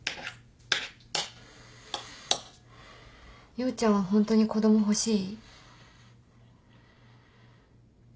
陽ちゃんはホントに子供欲しい？